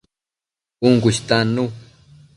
Cun cu istannu